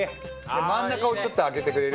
真ん中をちょっと空けてくれる？